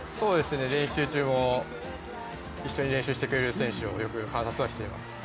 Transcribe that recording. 練習中も一緒に練習してくれる選手をよく観察はしています。